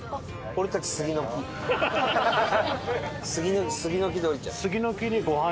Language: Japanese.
杉の木杉の木で降りちゃう。